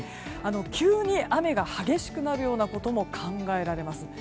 急に雨が激しくなるようなことも考えられます。